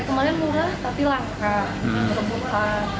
kemarin murah tapi langka